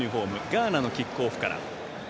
ガーナのキックオフから。